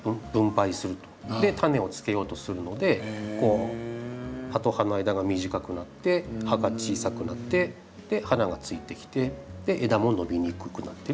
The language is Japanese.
種をつけようとするので葉と葉の間が短くなって葉が小さくなって花がついてきて枝も伸びにくくなってるっていう状態ですね。